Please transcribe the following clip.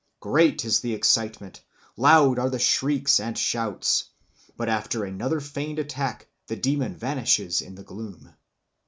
Great is the excitement, loud are the shrieks and shouts, but after another feigned attack the demon vanishes in the gloom.